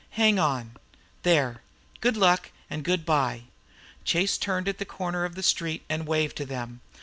Hang on! There! Good luck! Good bye!" Chase turned at the corner of the street and waved to them.